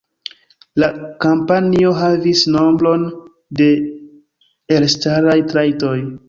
La kampanjo havis nombron de elstaraj trajtoj.